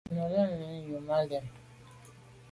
Me lo yen nyu à lem.